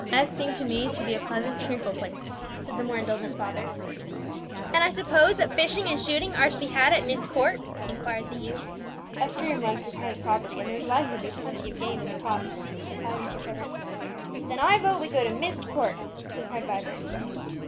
"S seemed to me to be a pleasant, cheerful place," said the more indulgent father. "And I suppose that fishing and shooting are to be had at Myst Court?" inquired the youth. "A stream runs through part of the property, and there is likely to be plenty of game in the copse," replied Mr. Trevor. "Then I vote that we go to Myst Court!" cried Vibert.